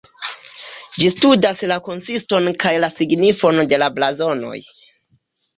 Ĝi studas la konsiston kaj la signifon de la blazonoj.